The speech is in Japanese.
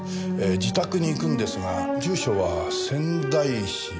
自宅に行くんですが住所は仙台市青葉区。